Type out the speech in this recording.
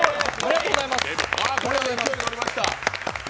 これは勢いに乗りました。